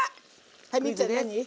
はいミッちゃん何？